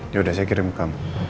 yaudah saya kirim ke kamu